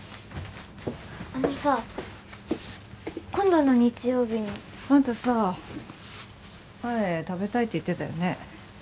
あのさ今度の日曜日にあんたさ前食べたいって言ってたよね？